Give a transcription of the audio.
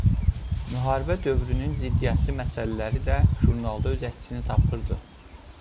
Müharibə dövrünün ziddiyyətli məsələləri də jurnalda öz əksini tapırdı.